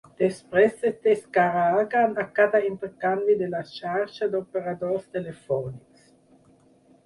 Després es descarreguen a cada intercanvi de la xarxa d"operadors telefònics.